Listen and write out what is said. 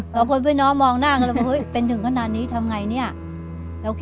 เสาร์บอกเขาไม่ตายแล้ว